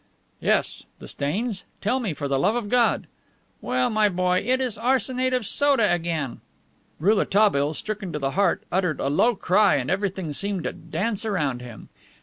"Yes? The stains? Tell me, for the love of God!" "Well, my boy, it is arsenate of soda again." Rouletabille, stricken to the heart, uttered a low cry and everything seemed to dance around him.